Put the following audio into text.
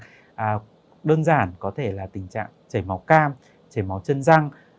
hoặc là đơn giản có thể là tình trạng chảy máu cam chảy máu chân răng